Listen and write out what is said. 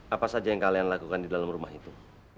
apa saja yang kalian lakukan di dalam rumah itu